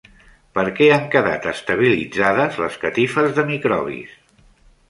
Per què han quedat estabilitzades les catifes de microbis?